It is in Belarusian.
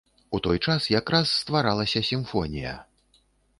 У той час якраз стваралася сімфонія.